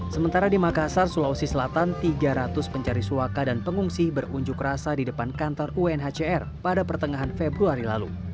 sementara di makassar sulawesi selatan tiga ratus pencari suaka dan pengungsi berunjuk rasa di depan kantor unhcr pada pertengahan februari lalu